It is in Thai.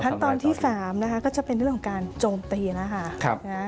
ขั้นตอนที่๓นะคะก็จะเป็นเรื่องของการโจมตีแล้วค่ะ